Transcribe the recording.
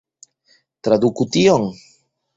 Traduku tion!